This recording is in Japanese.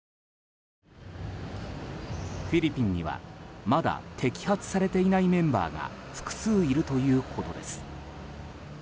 フィリピンにはまだ摘発されていないメンバーが複数いるということです。